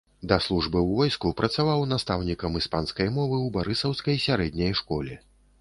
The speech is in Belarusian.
Да службы ў войску працаваў настаўнікам іспанскай мовы ў барысаўскай сярэдняй школе.